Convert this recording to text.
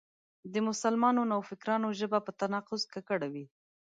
د مسلمانو نوفکرانو ژبه په تناقض ککړه وي.